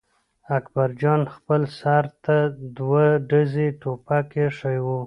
اکبر جان خپل سر ته دوه ډزي ټوپک اېښی و.